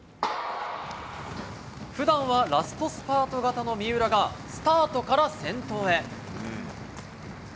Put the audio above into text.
普段はラストスパート型の三浦がスタートから先頭へ。